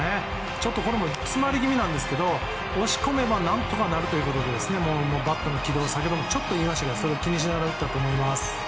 ちょっとこれも詰まり気味ですが押し込めば何とかなるということでバットの軌道を下げるといいましたけどそれを気にしながら打ったと思います。